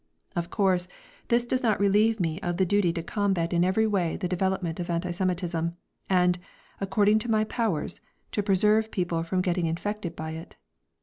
Of course, this does not relieve me of the duty to combat in every way the development of anti Semitism and, according to my powers, to preserve people from getting infected by it.